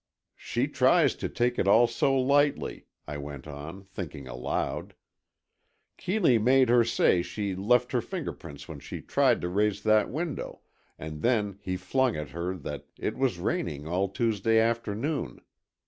"She tries to take it all so lightly," I went on, thinking aloud. "Keeley made her say she left her fingerprints when she tried to raise that window, and then he flung at her that it was raining all Tuesday afternoon.